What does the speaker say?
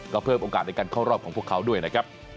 ก็เพิ่มโอกาสในการเข้ารอบของพวกเขาด้วยนะครับ